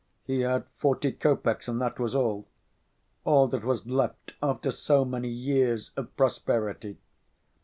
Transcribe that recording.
He had forty kopecks, and that was all, all that was left after so many years of prosperity!